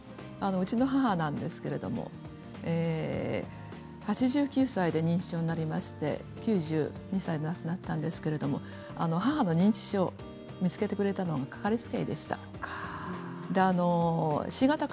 うちの母なんですけど８９歳で認知症になりまして９２歳で亡くなったんですけれど母の認知症を見つけてくれたのは掛かりつけ医でした。